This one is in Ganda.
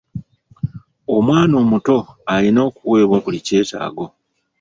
Omwana omuto alina okuweebwa buli kyetaago.